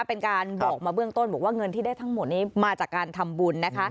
เป็นการบอกมาเบื้องต้นบอกว่าเงินที่ได้ทั้งหมดนี้มาจากการทำบุญนะคะ